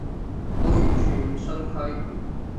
我完全唔信佢